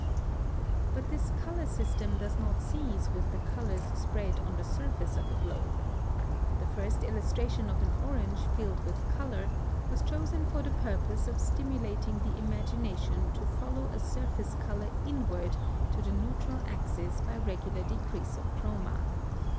(123) But this color system does not cease with the colors spread on the surface of a globe. The first illustration of an orange filled with color was chosen for the purpose of stimulating the imagination to follow a surface color inward to the neutral axis by regular decrease of chroma.